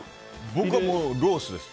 僕はロースです。